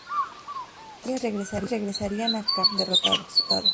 Tras unos días regresarían a Cartago derrotados.